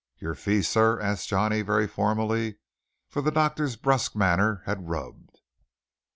"Your fee, sir?" asked Johnny very formally, for the doctor's brusque manner had rubbed.